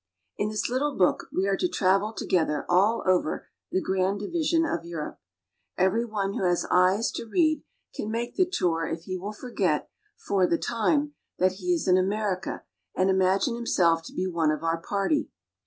IN this little book we are to travel together all over the grand division of Europe. Every one who has eyes to read can make the tour if he will forget, for the time, that he is in America, and imagine himself to be one of our party.